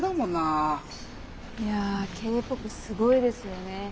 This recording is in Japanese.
いやＫ−ＰＯＰすごいですよね。